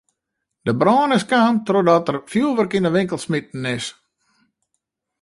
De brân is kaam trochdat der fjoerwurk yn de winkel smiten is.